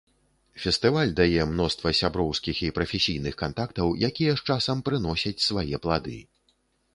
Фестываль дае мноства сяброўскіх і прафесійных кантактаў, якія з часам прыносяць свае плады.